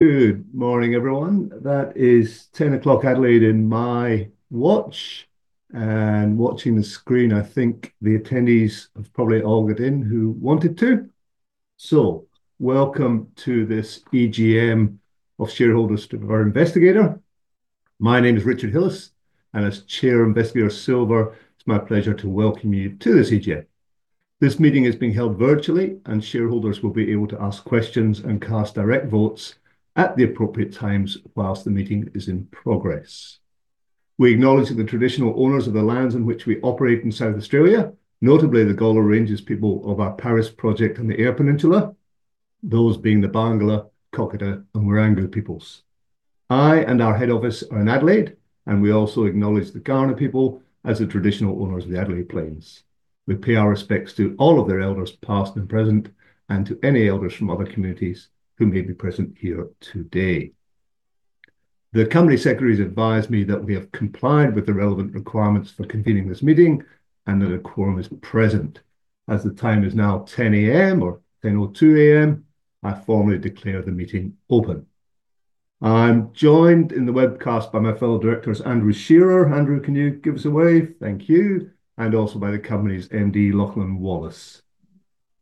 Good morning, everyone. That is 10:00 A.M. in Adelaide on my watch. Watching the screen, I think the attendees have probably all got in who wanted to. Welcome to this EGM of shareholders of Investigator. My name is Richard Hillis, and as Chair, Investigator Silver, it's my pleasure to welcome you to this EGM. This meeting is being held virtually, and shareholders will be able to ask questions and cast direct votes at the appropriate times while the meeting is in progress. We acknowledge the traditional owners of the lands in which we operate in South Australia, notably the Gawler Ranges people of our Paris project and the Eyre Peninsula, those being the Barngarla, Kokatha, and Wirangu peoples. I and our head office are in Adelaide, and we also acknowledge the Kaurna people as the traditional owners of the Adelaide Plains. We pay our respects to all of their elders, past and present, and to any elders from other communities who may be present here today. The Company Secretary's advised me that we have complied with the relevant requirements for convening this meeting and that a quorum is present. As the time is now 10:00 A.M. or 10:02 A.M., I formally declare the meeting open. I'm joined in the webcast by my fellow directors, Andrew Shearer. Andrew, can you give us a wave? Thank you. Also by the company's MD, Lachlan Wallace.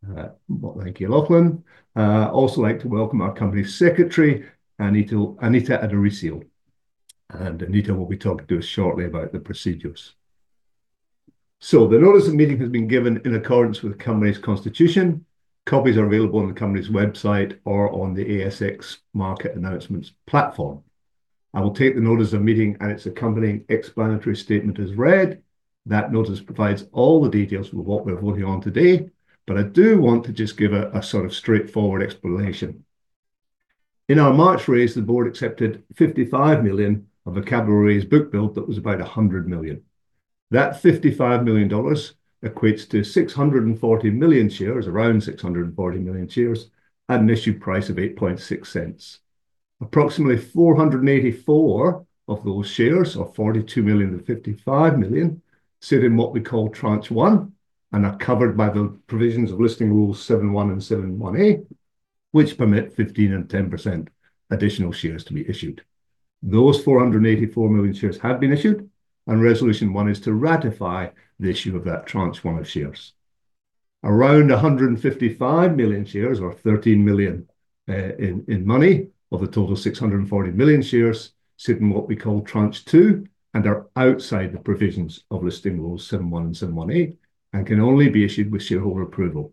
Thank you, Lachlan. I also like to welcome our Company Secretary, Anita Addorisio, and Anita will be talking to us shortly about the procedures. The notice of meeting has been given in accordance with the company's constitution. Copies are available on the company's website or on the ASX Market Announcements platform. I will take the notice of meeting and its accompanying explanatory statement as read. That notice provides all the details of what we're voting on today, but I do want to just give a sort of straightforward explanation. In our March raise, the board accepted 55 million of a capital raise book build that was about 100 million. That 55 million dollars equates to 640 million shares, around 640 million shares at an issue price of 0.086. Approximately 484 million of those shares, or 42 million of 55 million, sit in what we call Tranche 1 and are covered by the provisions of Listing Rules 7.1 and Listing Rule 7.1A, which permit 15% and 10% additional shares to be issued. Those 484 million shares have been issued, and Resolution 1 is to ratify the issue of that Tranche 1 of shares. Around 155 million shares, or 13 million, of a total 640 million shares, sit in what we call Tranche 2 and are outside the provisions of Listing Rules 7.1 and 7.1A and can only be issued with shareholder approval.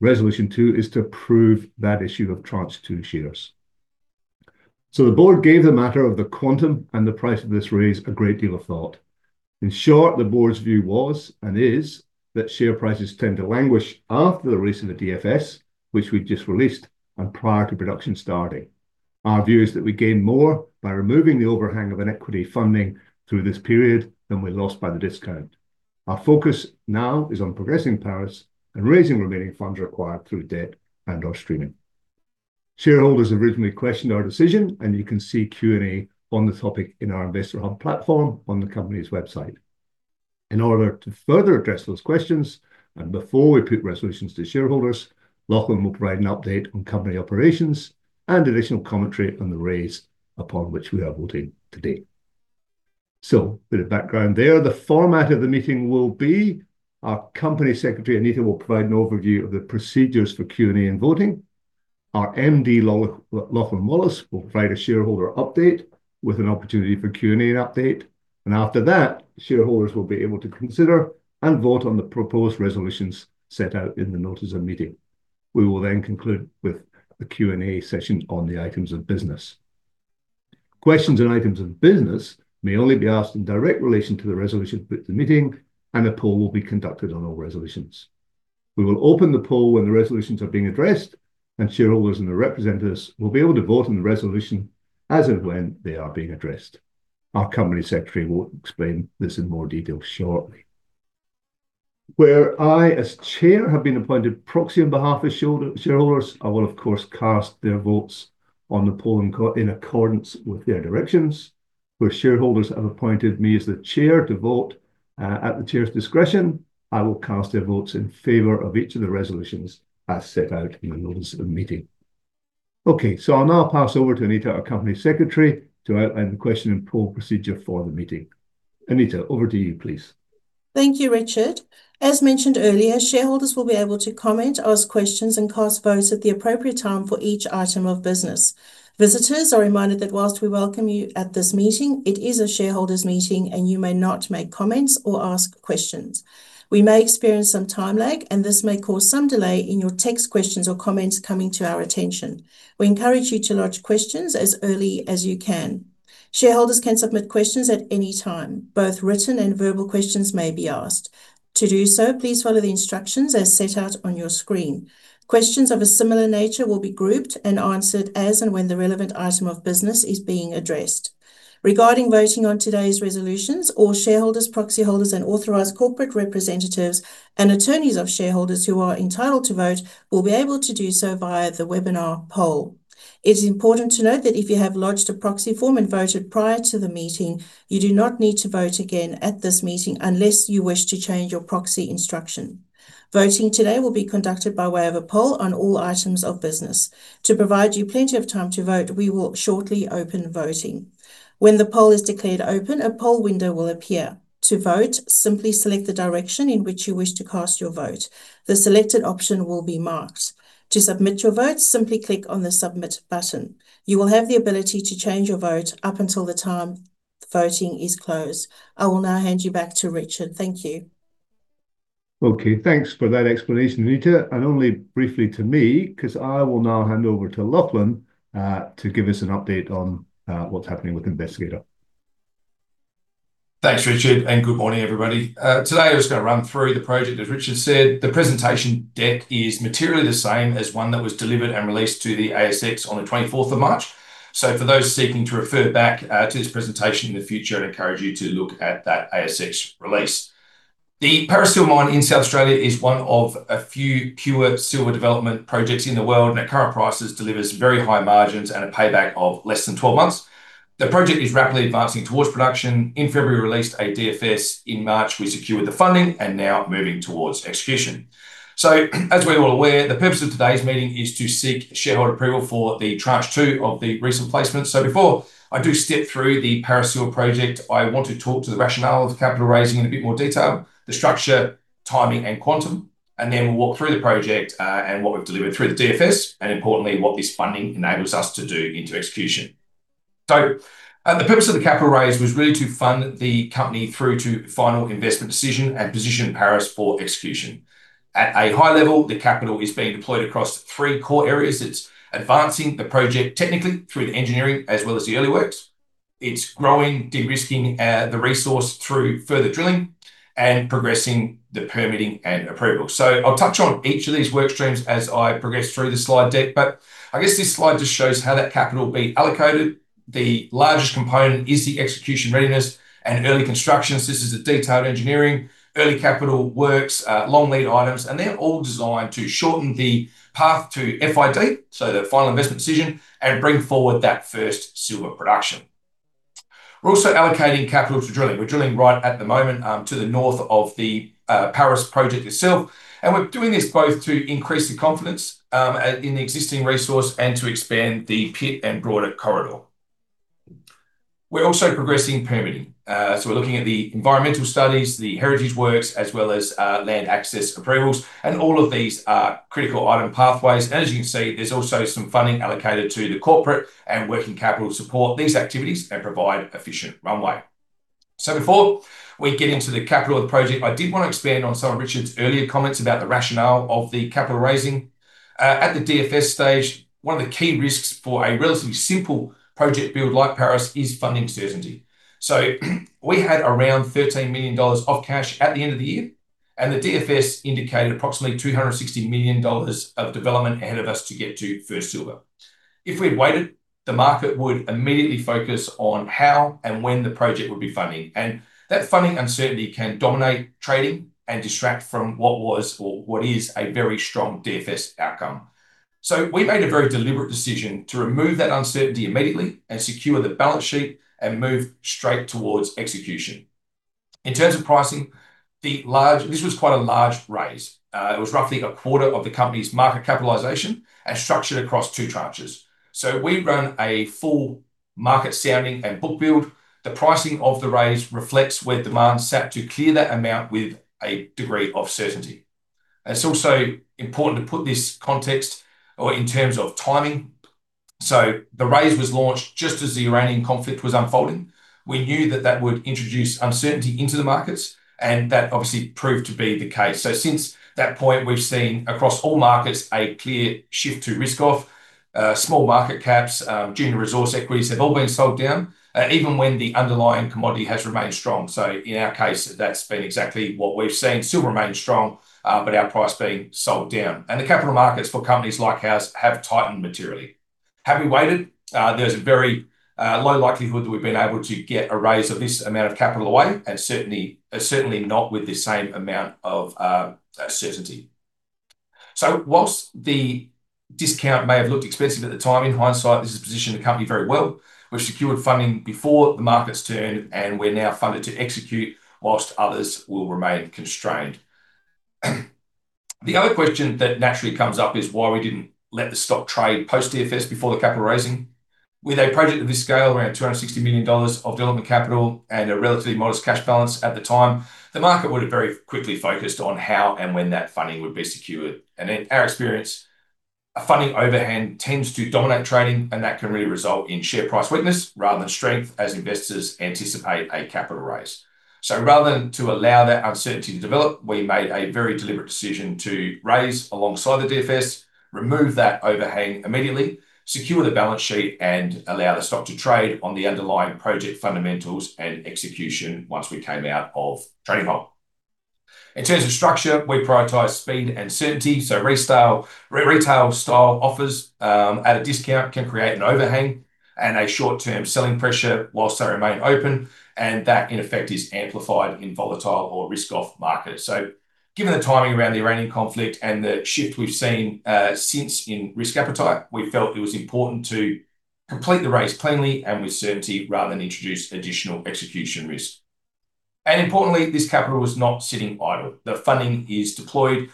Resolution 2 is to approve that issue of Tranche 2 shares. The board gave the matter of the quantum and the price of this raise a great deal of thought. In short, the board's view was and is that share prices tend to languish after the recent DFS, which we've just released and prior to production starting. Our view is that we gain more by removing the overhang of an equity funding through this period than we lost by the discount. Our focus now is on progressing Paris and raising remaining funds required through debt and/or streaming. Shareholders originally questioned our decision, and you can see Q&A on the topic in our Investor Hub platform on the company's website. In order to further address those questions and before we put resolutions to shareholders, Lachlan will provide an update on company operations and additional commentary on the raise upon which we are voting today. A bit of background there. The format of the meeting will be our Company Secretary, Anita, will provide an overview of the procedures for Q&A and voting. Our MD, Lachlan Wallace, will provide a shareholder update with an opportunity for Q&A update. After that, shareholders will be able to consider and vote on the proposed resolutions set out in the notice of meeting. We will conclude with a Q&A session on the items of business. Questions and items of business may only be asked in direct relation to the resolution put to the meeting, and a poll will be conducted on all resolutions. We will open the poll when the resolutions are being addressed, and shareholders and their representatives will be able to vote on the resolution as and when they are being addressed. Our Company Secretary will explain this in more detail shortly. Where I, as Chair, have been appointed proxy on behalf of shareholders, I will of course cast their votes on the poll in accordance with their directions. Where shareholders have appointed me as the Chair to vote at the Chair's discretion, I will cast their votes in favor of each of the resolutions as set out in the notice of meeting. Okay, I'll now pass over to Anita, our Company Secretary, to outline the question and poll procedure for the meeting. Anita, over to you, please. Thank you, Richard. As mentioned earlier, shareholders will be able to comment, ask questions, and cast votes at the appropriate time for each item of business. Visitors are reminded that while we welcome you at this meeting, it is a shareholders' meeting, and you may not make comments or ask questions. We may experience some time lag, and this may cause some delay in your text questions or comments coming to our attention. We encourage you to lodge questions as early as you can. Shareholders can submit questions at any time. Both written and verbal questions may be asked. To do so, please follow the instructions as set out on your screen. Questions of a similar nature will be grouped and answered as and when the relevant item of business is being addressed. Regarding voting on today's resolutions, all shareholders, proxy holders, and authorized corporate representatives and attorneys of shareholders who are entitled to vote will be able to do so via the webinar poll. It is important to note that if you have lodged a proxy form and voted prior to the meeting, you do not need to vote again at this meeting unless you wish to change your proxy instruction. Voting today will be conducted by way of a poll on all items of business. To provide you plenty of time to vote, we will shortly open voting. When the poll is declared open, a poll window will appear. To vote, simply select the direction in which you wish to cast your vote. The selected option will be marked. To submit your vote, simply click on the Submit button. You will have the ability to change your vote up until the time voting is closed. I will now hand you back to Richard. Thank you. Okay, thanks for that explanation, Nita. Only briefly to me, because I will now hand over to Lachlan, to give us an update on what's happening with Investigator. Thanks, Richard, and good morning, everybody. Today I'm just going to run through the project. As Richard said, the presentation deck is materially the same as one that was delivered and released to the ASX on the March 24th. For those seeking to refer back to this presentation in the future, I'd encourage you to look at that ASX release. The Paris Silver Mine in South Australia is one of a few pure silver development projects in the world, and at current prices delivers very high margins and a payback of less than 12 months. The project is rapidly advancing towards production. In February, we released a DFS. In March, we secured the funding and we're now moving towards execution. As we're all aware, the purpose of today's meeting is to seek shareholder approval for Tranche 2 of the recent placement. Before I do step through the Paris Silver project, I want to talk to the rationale of the capital raising in a bit more detail, the structure, timing, and quantum. Then we'll walk through the project, and what we've delivered through the DFS, and importantly, what this funding enables us to do into execution. The purpose of the capital raise was really to fund the company through to final investment decision and position Paris for execution. At a high level, the capital is being deployed across three core areas. It's advancing the project technically through the engineering as well as the early works. It's growing, de-risking the resource through further drilling and progressing the permitting and approvals. I'll touch on each of these work streams as I progress through the slide deck. I guess this slide just shows how that capital will be allocated. The largest component is the execution readiness and early constructions. This is the detailed engineering, early capital works, long lead items, and they're all designed to shorten the path to FID, so the final investment decision, and bring forward that first silver production. We're also allocating capital to drilling. We're drilling right at the moment, to the north of the Paris Project itself. We're doing this both to increase the confidence in the existing resource and to expand the pit and broader corridor. We're also progressing permitting. We're looking at the environmental studies, the heritage works, as well as land access approvals, and all of these are critical item pathways. As you can see, there's also some funding allocated to the corporate and working capital support these activities and provide efficient runway. Before we get into the capital of the project, I did want to expand on some of Richard's earlier comments about the rationale of the capital raising. At the DFS stage, one of the key risks for a relatively simple project build like Paris is funding certainty. We had around 13 million dollars of cash at the end of the year, and the DFS indicated approximately 260 million dollars of development ahead of us to get to first silver. If we had waited, the market would immediately focus on how and when the project would be funding. That funding uncertainty can dominate trading and distract from what was or what is a very strong DFS outcome. We made a very deliberate decision to remove that uncertainty immediately and secure the balance sheet and move straight towards execution. In terms of pricing, this was quite a large raise. It was roughly a quarter of the company's market capitalization and structured across two tranches. We ran a full market sounding and book build. The pricing of the raise reflects where demand sat to clear that amount with a degree of certainty. It's also important to put this in context, or in terms of timing. The raise was launched just as the Iranian conflict was unfolding. We knew that would introduce uncertainty into the markets, and that obviously proved to be the case. Since that point, we've seen across all markets a clear shift to risk-off. Small market caps, junior resource equities have all been sold down, even when the underlying commodity has remained strong. In our case, that's been exactly what we've seen. Silver remains strong, but our price has been sold down and the capital markets for companies like ours have tightened materially. Had we waited, there's a very low likelihood that we've been able to get a raise of this amount of capital away, and certainly not with the same amount of certainty. Whilst the discount may have looked expensive at the time, in hindsight, this has positioned the company very well. We've secured funding before the markets turned, and we're now funded to execute whilst others will remain constrained. The other question that naturally comes up is why we didn't let the stock trade post DFS before the capital raising. With a project of this scale, around AUD 260 million of development capital and a relatively modest cash balance at the time, the market would have very quickly focused on how and when that funding would be secured. In our experience, a funding overhang tends to dominate trading, and that can really result in share price weakness rather than strength as investors anticipate a capital raise. Rather than to allow that uncertainty to develop, we made a very deliberate decision to raise alongside the DFS, remove that overhang immediately, secure the balance sheet, and allow the stock to trade on the underlying project fundamentals and execution once we came out of trading halt. In terms of structure, we prioritize speed and certainty. Retail style offers, at a discount can create an overhang and a short-term selling pressure while they remain open, and that in effect, is amplified in volatile or risk-off markets. Given the timing around the Iranian conflict and the shift we've seen in risk appetite, we felt it was important to complete the raise cleanly and with certainty rather than introduce additional execution risk. Importantly, this capital is not sitting idle. The funding is deployed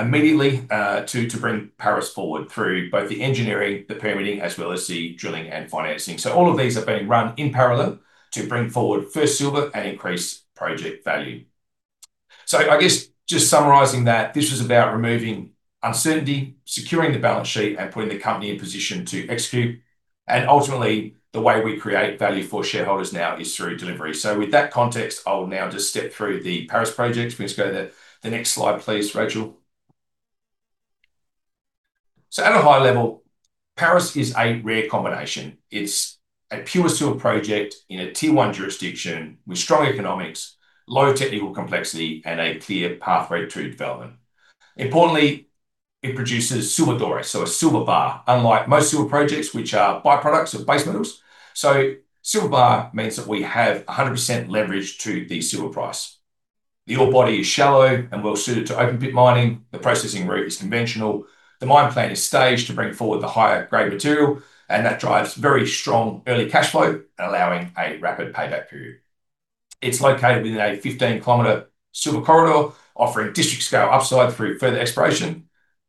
immediately, to bring Paris forward through both the engineering, the permitting, as well as the drilling and financing. All of these are being run in parallel to bring forward first silver and increase project value. I guess just summarizing that, this was about removing uncertainty, securing the balance sheet, and putting the company in position to execute. Ultimately, the way we create value for shareholders now is through delivery. With that context, I will now just step through the Paris Project. Can we just go to the next slide, please, Rachel? At a high level, Paris is a rare combination. It's a pure silver project in a Tier 1 jurisdiction with strong economics, low technical complexity, and a clear pathway to development. Importantly, it produces silver doré, so a silver bar. Unlike most silver projects, which are byproducts of base metals. Silver bar means that we have 100% leverage to the silver price. The ore body is shallow and well-suited to open pit mining. The processing route is conventional. The mine plan is staged to bring forward the higher-grade material, and that drives very strong early cash flow, allowing a rapid payback period. It's located within a 15km silver corridor, offering district-scale upside through further exploration.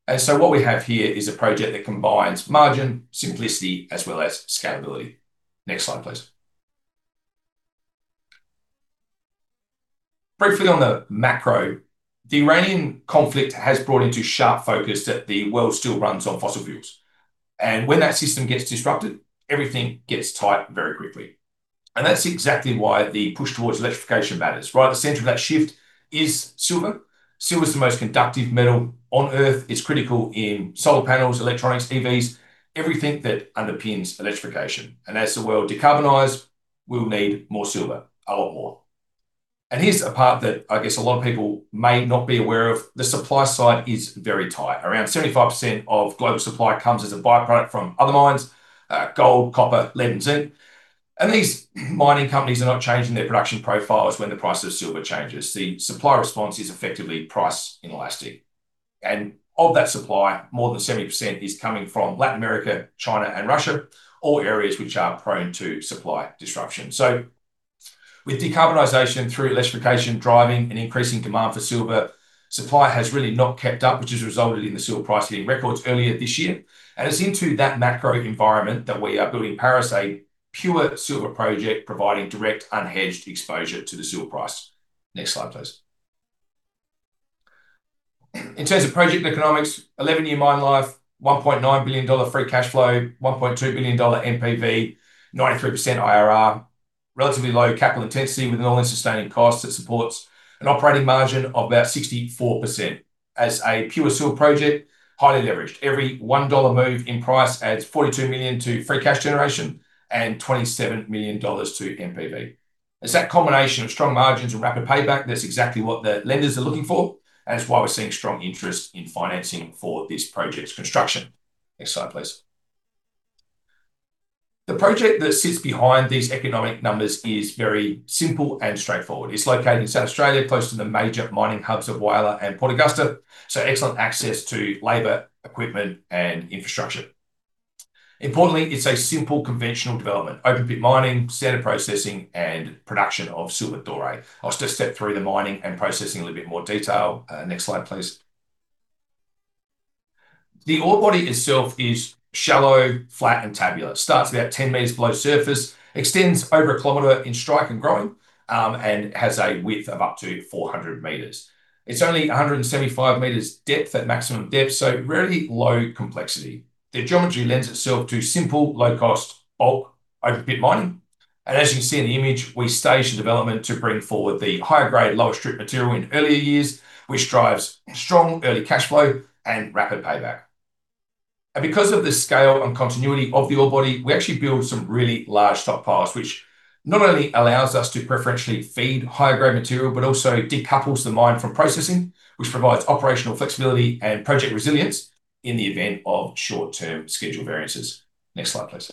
What we have here is a project that combines margin, simplicity, as well as scalability. Next slide, please. Briefly on the macro, the Iranian conflict has brought into sharp focus that the world still runs on fossil fuels. When that system gets disrupted, everything gets tight very quickly. That's exactly why the push towards electrification matters. Right at the center of that shift is silver. Silver is the most conductive metal on Earth. It's critical in solar panels, electronics, TVs, everything that underpins electrification. As the world decarbonizes, we'll need more silver, a lot more. Here's a part that I guess a lot of people may not be aware of. The supply side is very tight. Around 75% of global supply comes as a byproduct from other mines, gold, copper, lead, and zinc. These mining companies are not changing their production profiles when the price of silver changes. The supply response is effectively price inelastic. Of that supply, more than 70% is coming from Latin America, China, and Russia, all areas which are prone to supply disruption. With decarbonization through electrification driving an increasing demand for silver, supply has really not kept up, which has resulted in the silver price hitting records earlier this year. It's into that macro environment that we are building Paris, a pure silver project providing direct unhedged exposure to the silver price. Next slide, please. In terms of project economics, 11-year mine life, 1.9 billion dollar free cash flow, 1.2 billion dollar NPV, 93% IRR. Relatively low capital intensity with an all-in sustaining cost that supports an operating margin of about 64%. As a pure silver project, highly leveraged. Every 1 dollar move in price adds 42 million to free cash generation and 27 million dollars to NPV. It's that combination of strong margins and rapid payback that's exactly what the lenders are looking for, and it's why we're seeing strong interest in financing for this project's construction. Next slide, please. The project that sits behind these economic numbers is very simple and straightforward. It's located in South Australia, close to the major mining hubs of Whyalla and Port Augusta, so excellent access to labor, equipment, and infrastructure. Importantly, it's a simple, conventional development. Open pit mining, standard processing, and production of silver doré. I'll just step through the mining and processing in a little bit more detail. Next slide, please. The ore body itself is shallow, flat, and tabular. It starts about 10 meters below surface, extends over a kilometer in strike and growing, and has a width of up to 400 meters. It's only 175 meters depth at maximum depth, so really low complexity. The geometry lends itself to simple, low-cost, bulk open pit mining. As you can see in the image, we stage the development to bring forward the higher-grade, lower-strip material in earlier years, which drives strong early cash flow and rapid payback. Because of the scale and continuity of the ore body, we actually build some really large stockpiles, which not only allows us to preferentially feed higher-grade material but also decouples the mine from processing, which provides operational flexibility and project resilience in the event of short-term schedule variances. Next slide, please.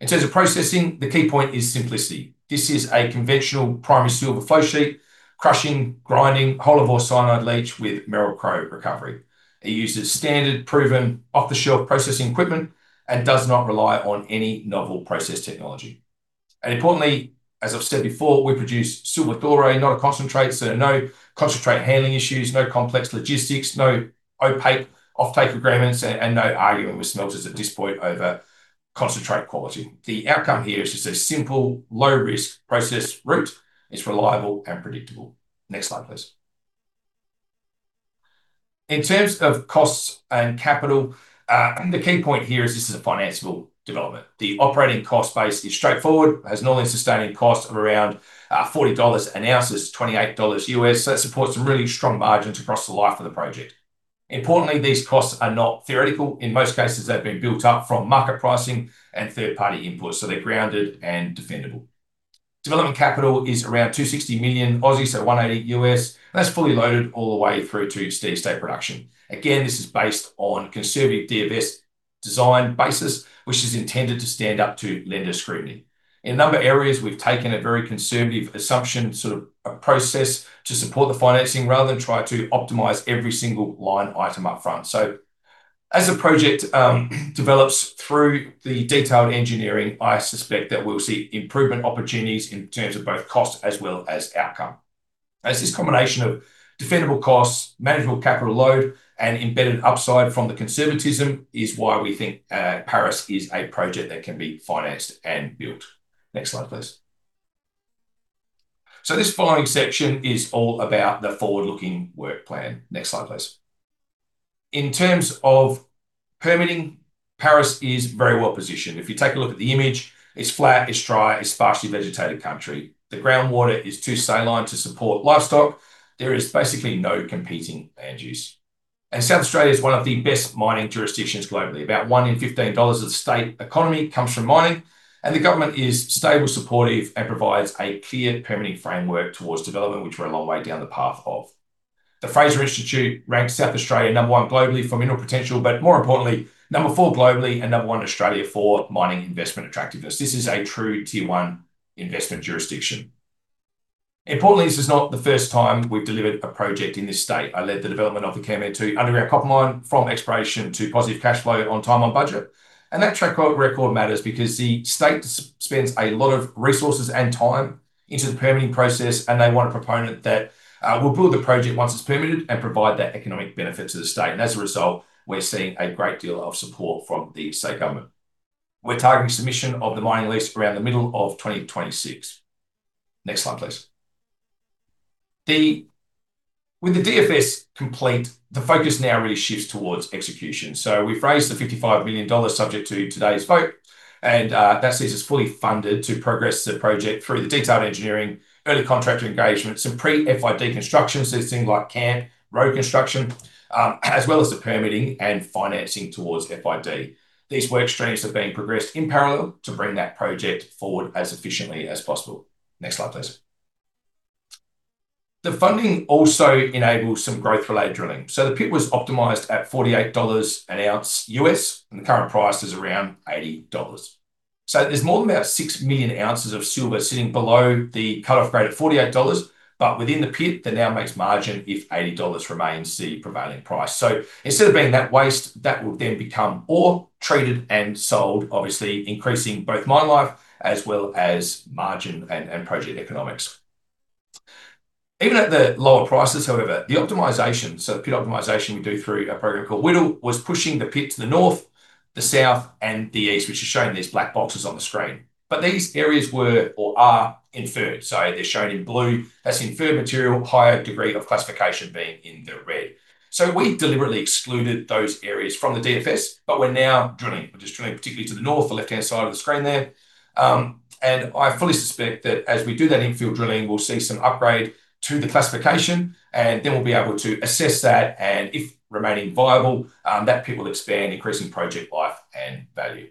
In terms of processing, the key point is simplicity. This is a conventional primary silver flow sheet, crushing, grinding, whole-of-ore cyanide leach with Merrill-Crowe recovery. It uses standard, proven, off-the-shelf processing equipment and does not rely on any novel process technology. Importantly, as I've said before, we produce silver doré, not a concentrate, so no concentrate handling issues, no complex logistics, no opaque offtake agreements, and no argument with smelters at this point over concentrate quality. The outcome here is just a simple, low-risk process route. It's reliable and predictable. Next slide, please. In terms of costs and capital, the key point here is this is a financeable development. The operating cost base is straightforward. It has an all-in sustaining cost of around $40 an ounce. That's $28. That supports some really strong margins across the life of the project. Importantly, these costs are not theoretical. In most cases, they've been built up from market pricing and third-party input, so they're grounded and defendable. Development capital is around 260 million, so $180 million. That's fully loaded all the way through to steady-state production. Again, this is based on conservative DFS design basis, which is intended to stand up to lender scrutiny. In a number of areas, we've taken a very conservative assumption, sort of a process, to support the financing rather than try to optimize every single line item up front. As the project develops through the detailed engineering, I suspect that we'll see improvement opportunities in terms of both cost as well as outcome. As this combination of defendable costs, manageable capital load, and embedded upside from the conservatism is why we think Paris is a project that can be financed and built. Next slide, please. This following section is all about the forward-looking work plan. Next slide, please. In terms of permitting, Paris is very well positioned. If you take a look at the image, it's flat, it's dry, it's sparsely vegetated country. The groundwater is too saline to support livestock. There is basically no competing land use. South Australia is one of the best mining jurisdictions globally. About one in 15 of the state economy comes from mining, and the government is stable, supportive, and provides a clear permitting framework towards development, which we're a long way down the path of. The Fraser Institute ranks South Australia number one globally for mineral potential, but more importantly, number four globally and number one in Australia for mining investment attractiveness. This is a true tier one investment jurisdiction. Importantly, this is not the first time we've delivered a project in this state. I led the development of the Kanmantoo Underground copper mine from exploration to positive cash flow on time, on budget. That track record matters because the state spends a lot of resources and time into the permitting process, and they want a proponent that will build the project once it's permitted and provide that economic benefit to the state. As a result, we're seeing a great deal of support from the state government. We're targeting submission of the mining lease around the middle of 2026. Next slide, please. With the DFS complete, the focus now really shifts towards execution. We've raised 55 million dollars subject to today's vote, and that sees us fully funded to progress the project through the detailed engineering, early contractor engagement, some pre-FID construction, so things like camp, road construction, as well as the permitting and financing towards FID. These work streams are being progressed in parallel to bring that project forward as efficiently as possible. Next slide, please. The funding also enables some growth-related drilling. The pit was optimized at $48 an ounce, and the current price is around $80. There's more than about 6 million ounces of silver sitting below the cut-off grade at $48. Within the pit, that now makes margin if $80 remains the prevailing price. Instead of being that waste, that will then become ore treated and sold, obviously increasing both mine life as well as margin and project economics. Even at the lower prices, however, the optimization, so the pit optimization we do through a program called Whittle, was pushing the pit to the north, the south, and the east, which is shown. There's black boxes on the screen. These areas were or are inferred, so they're shown in blue. That's inferred material, higher degree of classification being in the red. We deliberately excluded those areas from the DFS. We're now drilling. We're just drilling, particularly to the north, the left-hand side of the screen there. I fully suspect that as we do that infill drilling, we'll see some upgrade to the classification and then we'll be able to assess that. If remaining viable, that pit will expand, increasing project life and value.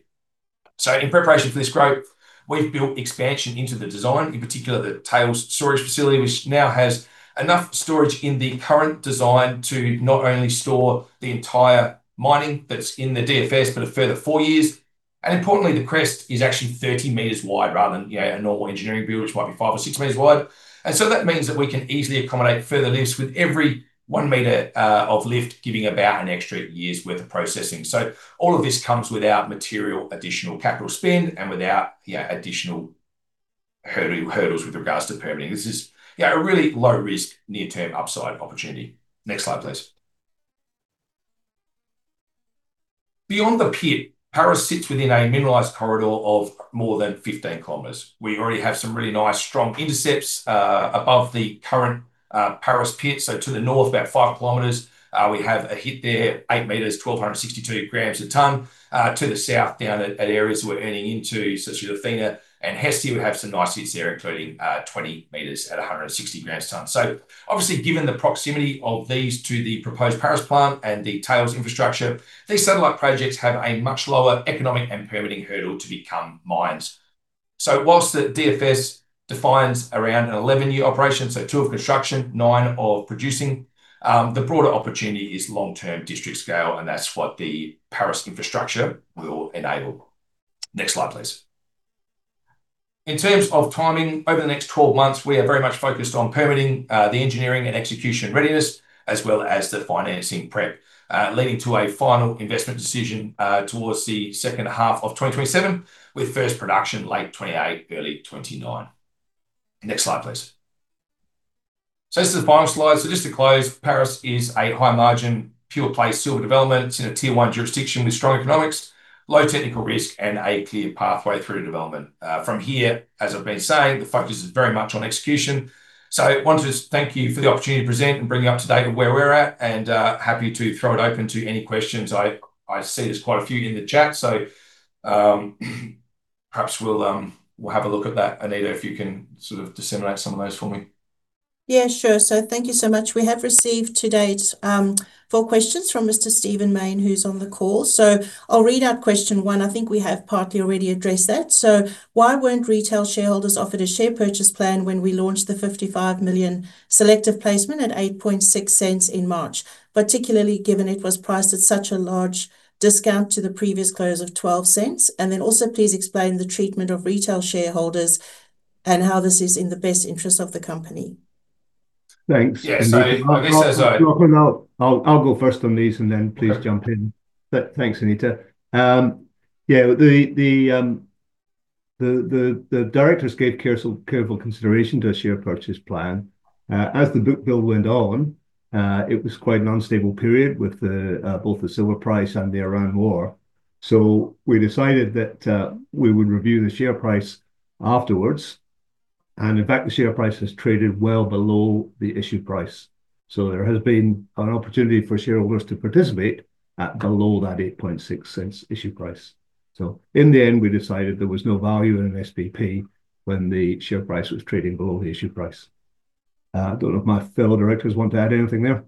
In preparation for this growth, we've built expansion into the design, in particular the tailings storage facility, which now has enough storage in the current design to not only store the entire mining that's in the DFS, but a further four years. Importantly, the crest is actually 30 meters wide rather than a normal engineering build, which might be 5 or 6 meters wide. that means that we can easily accommodate further lifts with every one meter of lift, giving about an extra year's worth of processing. all of this comes without material additional capital spend and without additional hurdles with regards to permitting. This is a really low risk, near-term upside opportunity. Next slide, please. Beyond the pit, Paris sits within a mineralized corridor of more than 15km. We already have some really nice strong intercepts above the current Paris pit. to the north, about five kilometers, we have a hit there, 8 meters, 1,262 grams a ton. To the south, down at areas we're earning into, such as Athena and Hestia, we have some nice hits there, including 20 meters at 160 grams a ton. Obviously, given the proximity of these to the proposed Paris plant and the tails infrastructure, these satellite projects have a much lower economic and permitting hurdle to become mines. While the DFS defines around an 11-year operation, two of construction, nine of producing, the broader opportunity is long-term district scale, and that's what the Paris infrastructure will enable. Next slide, please. In terms of timing, over the next 12 months, we are very much focused on permitting the engineering and execution readiness as well as the financing prep, leading to a final investment decision towards the second half of 2027, with first production late 2028, early 2029. Next slide, please. This is the final slide. Just to close, Paris is a high margin, pure play silver development. It's in a tier one jurisdiction with strong economics, low technical risk, and a clear pathway through to development. From here, as I've been saying, the focus is very much on execution. I want to thank you for the opportunity to present and bring you up to date of where we're at and happy to throw it open to any questions. I see there's quite a few in the chat, so perhaps we'll have a look at that. Anita, if you can sort of disseminate some of those for me. Yeah, sure. Thank you so much. We have received to date, four questions from Mr. Stephen Mayne, who's on the call. I'll read out question one. I think we have partly already addressed that. Why weren't retail shareholders offered a share purchase plan when we launched the 55 million selective placement at 0.086 in March, particularly given it was priced at such a large discount to the previous close of 0.12? And then also please explain the treatment of retail shareholders and how this is in the best interest of the company. Thanks. Yes. Lachlan, I'll go first on these and then please jump in. Thanks, Anita. Yeah. The directors gave careful consideration to a share purchase plan. As the book build went on, it was quite an unstable period with both the silver price and the Iran war. We decided that we would review the share price afterwards, and in fact, the share price has traded well below the issue price. There has been an opportunity for shareholders to participate at below that 0.086 issue price. In the end, we decided there was no value in an SPP when the share price was trading below the issue price. I don't know if my fellow directors want to add anything there.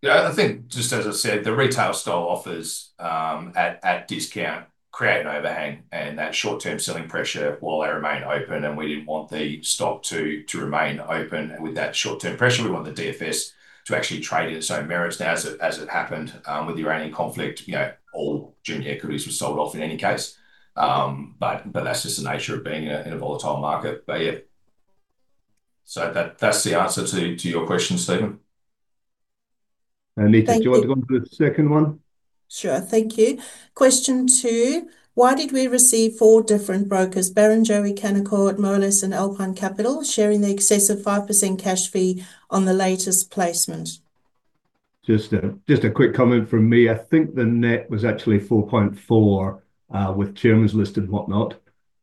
Yeah, I think just as I said, the retail style offers at discount create an overhang, and that short-term selling pressure while they remain open, and we didn't want the stock to remain open with that short-term pressure. We want the DFS to actually trade in its own merits. Now, as it happened, with the Iranian conflict, all junior equities were sold off in any case. That's just the nature of being in a volatile market. Yeah. That's the answer to your question, Stephen. Anita, do you want to? Thank you. Go on to the second one? Sure. Thank you. Question two: Why did we receive four different brokers, Barrenjoey, Canaccord, Moelis, and Alpine Capital, sharing the excess of 5% cash fee on the latest placement? Just a quick comment from me. I think the net was actually 4.4%, with terms listed and whatnot.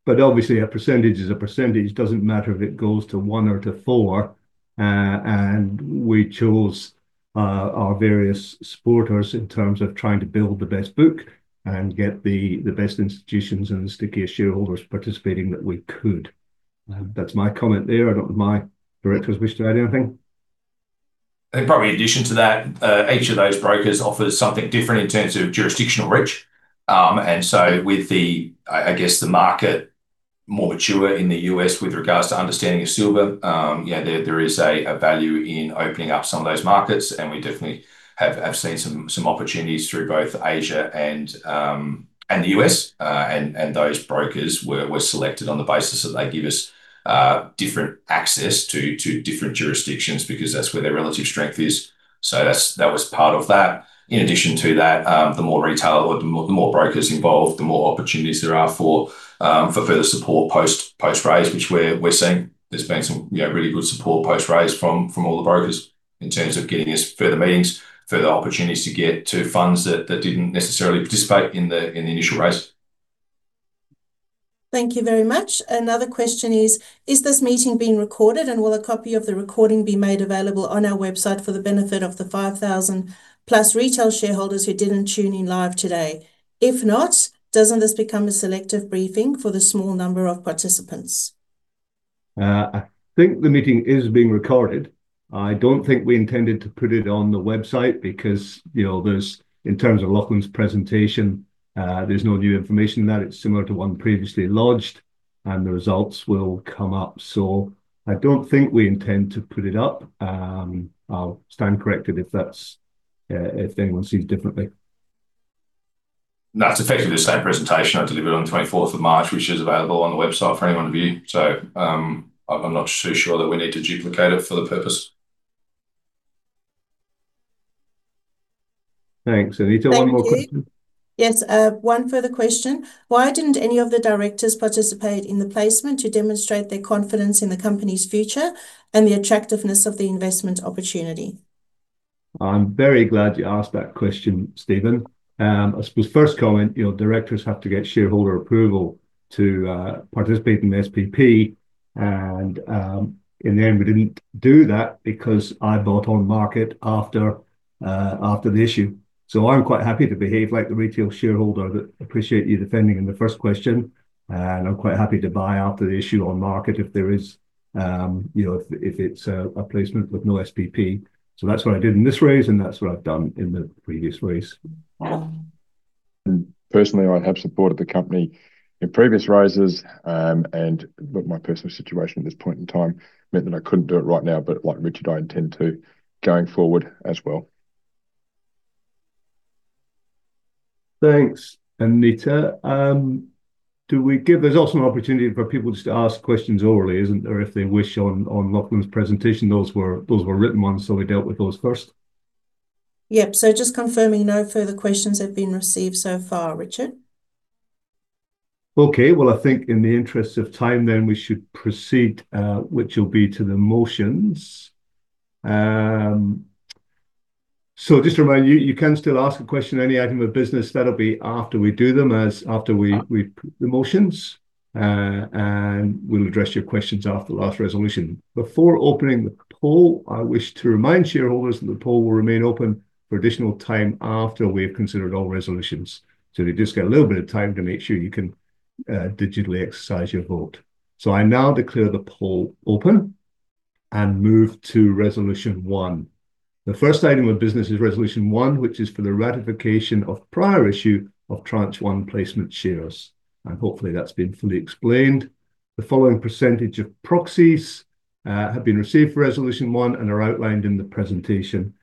Obviously, a percentage is a percentage. Doesn't matter if it goes to one or to four. We chose our various supporters in terms of trying to build the best book and get the best institutions and the stickiest shareholders participating that we could. That's my comment there. I don't know if my directors wish to add anything. I think probably in addition to that, each of those brokers offers something different in terms of jurisdictional reach. With the, I guess, the market more mature in the U.S. with regards to understanding of silver, there is a value in opening up some of those markets, and we definitely have seen some opportunities through both Asia and the U.S., and those brokers were selected on the basis that they give us different access to different jurisdictions because that's where their relative strength is. That was part of that. In addition to that, the more retail or the more brokers involved, the more opportunities there are for further support post-raise, which we're seeing. There's been some really good support post-raise from all the brokers in terms of getting us further meetings, further opportunities to get to funds that didn't necessarily participate in the initial raise. Thank you very much. Another question is: Is this meeting being recorded, and will a copy of the recording be made available on our website for the benefit of the 5,000 plus retail shareholders who didn't tune in live today? If not, doesn't this become a selective briefing for the small number of participants? I think the meeting is being recorded. I don't think we intended to put it on the website because there's, in terms of Lachlan's presentation, there's no new information in that. It's similar to one previously lodged, and the results will come up. I don't think we intend to put it up. I'll stand corrected if anyone sees differently. No. It's effectively the same presentation I delivered on the March 24th, which is available on the website for anyone to view. I'm not too sure that we need to duplicate it for the purpose. Thanks. Anita, one more question. Thank you. Yes, one further question. Why didn't any of the directors participate in the placement to demonstrate their confidence in the company's future and the attractiveness of the investment opportunity? I'm very glad you asked that question, Stephen. I suppose first comment, directors have to get shareholder approval to participate in the SPP, and in the end, we didn't do that because I bought on market after the issue. I'm quite happy to behave like the retail shareholder that I appreciate you defending in the first question, and I'm quite happy to buy after the issue on market if it's a placement with no SPP. That's what I did in this raise, and that's what I've done in the previous raise. Personally, I have supported the company in previous raises, but my personal situation at this point in time meant that I couldn't do it right now, but like Richard, I intend to going forward as well. Thanks, Anita. There's also an opportunity for people just to ask questions orally, isn't there, if they wish on Lachlan's presentation. Those were written ones, so we dealt with those first. Yep. Just confirming, no further questions have been received so far, Richard. Okay. Well, I think in the interest of time then we should proceed, which will be to the motions. Just to remind you can still ask a question, any item of business. That'll be after we do them, as after we put the motions. We'll address your questions after the last resolution. Before opening the poll, I wish to remind shareholders that the poll will remain open for additional time after we have considered all resolutions. You just get a little bit of time to make sure you can digitally exercise your vote. I now declare the poll open and move to Resolution 1. The first item of business is Resolution 1, which is for the ratification of prior issue of Tranche 1 placement shares. Hopefully, that's been fully explained. The following percentage of proxies have been received for Resolution 1 and are outlined in the presentation.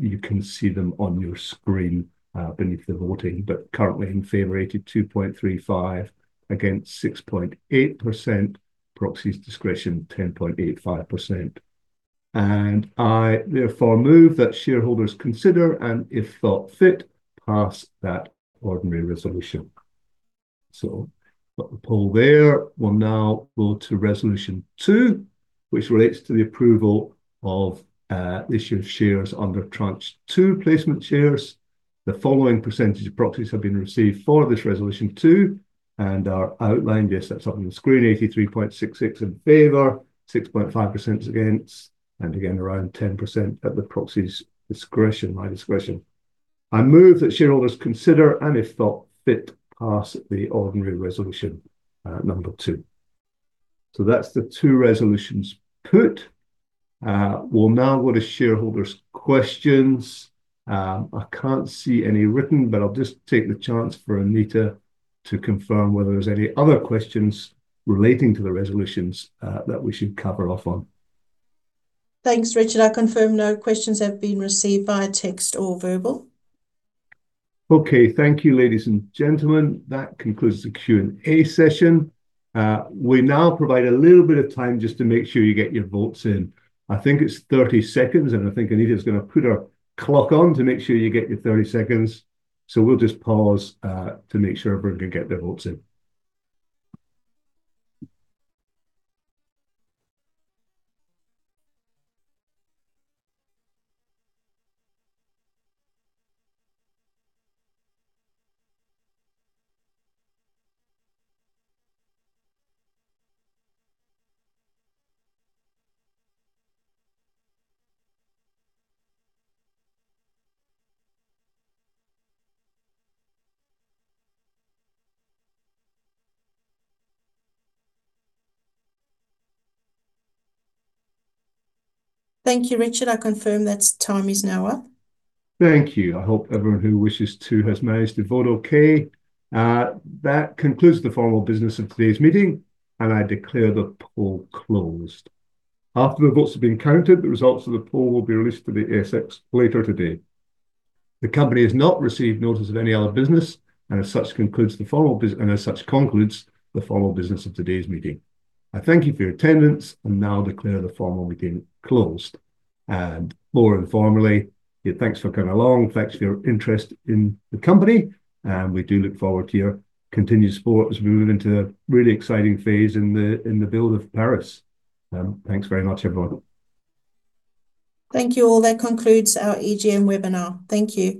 You can see them on your screen, beneath the voting. Currently in favor 2.35%, against 6.8%, proxies discretion 10.85%. I therefore move that shareholders consider, and if thought fit, pass that ordinary resolution. Got the poll there. We'll now go to Resolution 2, which relates to the approval of issue of shares under Tranche 2 placement shares. The following percentage of proxies have been received for this Resolution 2 and are outlined. Yes, that's up on the screen. 83.66% in favor, 6.5% against, and again, around 10% at the proxy's discretion, my discretion. I move that shareholders consider, and if thought fit, pass the ordinary resolution number two. That's the two resolutions put. We'll now go to shareholders' questions. I can't see any written, but I'll just take the chance for Anita to confirm whether there's any other questions relating to the resolutions that we should cover off on. Thanks, Richard. I confirm no questions have been received via text or verbal. Okay. Thank you, ladies and gentlemen. That concludes the Q&A session. We now provide a little bit of time just to make sure you get your votes in. I think it's 30 seconds, and I think Anita's going to put her clock on to make sure you get your 30 seconds. We'll just pause, to make sure everyone can get their votes in. Thank you, Richard. I confirm that time is now up. Thank you. I hope everyone who wishes to has managed to vote okay. That concludes the formal business of today's meeting, and I declare the poll closed. After the votes have been counted, the results of the poll will be released to the ASX later today. The company has not received notice of any other business, and as such concludes the formal business of today's meeting. I thank you for your attendance and now declare the formal meeting closed. More informally, thanks for coming along. Thanks for your interest in the company, and we do look forward to your continued support as we move into a really exciting phase in the build of Paris. Thanks very much, everyone. Thank you all. That concludes our EGM webinar. Thank you.